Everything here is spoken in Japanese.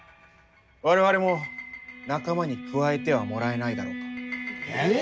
我々も仲間に加えてはもらえないだろうか。ええ！？